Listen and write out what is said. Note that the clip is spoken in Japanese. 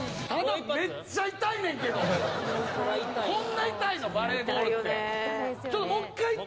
こんな痛いのバレーボールって。